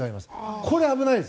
これ、危ないです。